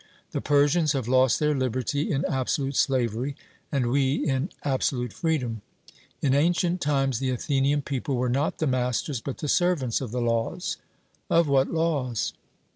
The Persians have lost their liberty in absolute slavery, and we in absolute freedom. In ancient times the Athenian people were not the masters, but the servants of the laws. 'Of what laws?'